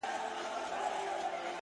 o وه كلي ته زموږ راځي مـلـنگه ككـرۍ ـ